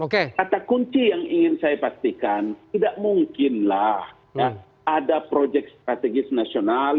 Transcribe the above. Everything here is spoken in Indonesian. kata kunci yang ingin saya pastikan tidak mungkinlah ada proyek strategis nasional